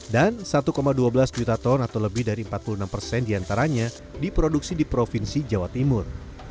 dan satu dua belas juta ton atau lebih dari empat puluh enam diantaranya diproduksi di provinsi jawa timur